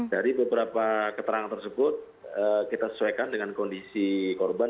dari beberapa keterangan tersebut kita sesuaikan dengan kondisi korban